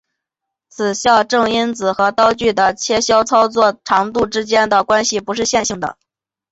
此校正因子和刀具的切削操作的长度之间的关系不是线性的。